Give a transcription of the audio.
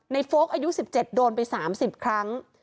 โฟลกอายุ๑๗โดนไป๓๐ครั้ง